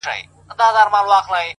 نظم د بریالۍ هڅې ساتونکی دی,